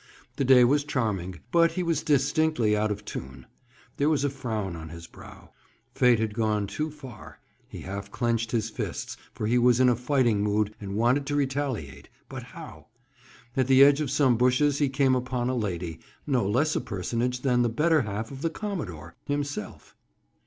The day was charming, but he was distinctly out of tune. There was a frown on his brow. Fate had gone too far. He half clenched his fists, for he was in a fighting mood and wanted to retaliate—but how? At the edge of some bushes he came upon a lady—no less a personage than the better half of the commodore, himself.